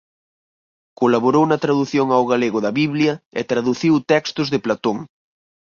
Colaborou na tradución ao galego da Biblia e traduciu textos de Platón.